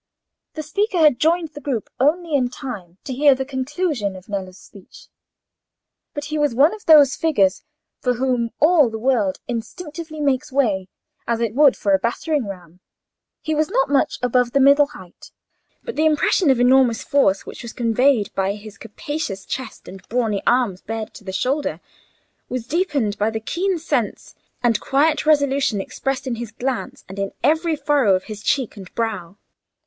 The speaker had joined the group only in time to hear the conclusion of Nello's speech, but he was one of those figures for whom all the world instinctively makes way, as it would for a battering ram. He was not much above the middle height, but the impression of enormous force which was conveyed by his capacious chest and brawny arms bared to the shoulder, was deepened by the keen sense and quiet resolution expressed in his glance and in every furrow of his cheek and brow.